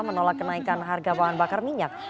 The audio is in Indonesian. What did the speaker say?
menolak kenaikan harga bahan bakar minyak